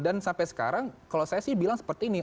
dan sampai sekarang kalau saya sih bilang seperti ini